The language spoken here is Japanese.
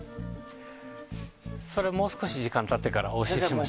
それももう少し時間経ってからお教えします。